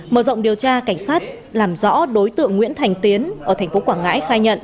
mở rộng điều tra cảnh sát làm rõ đối tượng nguyễn thành tiến ở tp quảng ngãi khai nhận